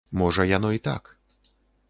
Можа яно і так.